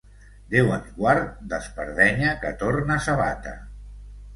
Déu ens guard d'espardenya que torna sabata.